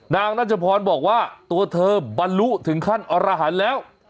นางนัชพรบอกว่าตัวเธอบรรลุถึงขั้นอรหันต์แล้ว